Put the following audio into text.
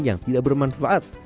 yang tidak bermanfaat